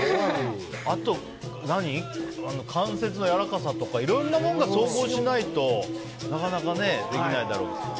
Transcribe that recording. あと、関節のやわらかさとかいろんなものが総合しないとなかなかできないだろうね。